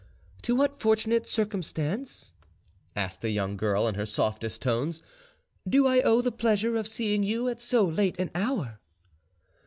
"To what fortunate circumstance," asked the young girl in her softest tones, "do I owe the pleasure of seeing you at so late an hour?"